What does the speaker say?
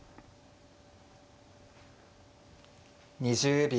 ２０秒。